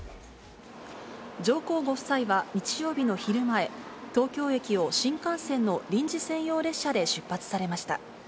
上皇ご夫妻は日曜日の昼前、東京駅を新幹線の臨時専用列車で出発されました。